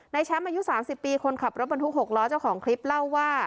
แชมป์อายุ๓๐ปีคนขับรถบรรทุก๖ล้อเจ้าของคลิปเล่าว่า